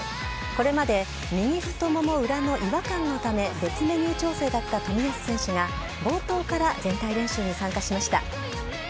これまで右太もも裏の違和感のため別メニュー調整だった冨安選手が冒頭から全体練習に参加しました。